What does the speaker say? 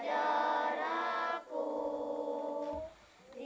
jadi pandu ibumu